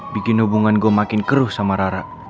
bikin hubungan gue makin keruh sama rara